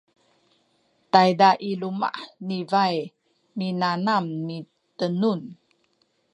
tayza i luma’ ni bai minanam mitenun